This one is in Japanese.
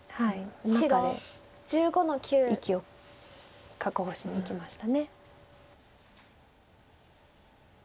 中で生きを確保しにいきました。